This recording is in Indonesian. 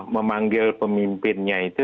memanggil pemimpinnya itu